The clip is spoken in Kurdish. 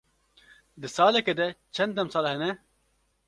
Di salekê de çend demsal hene?